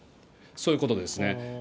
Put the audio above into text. そういうことですね。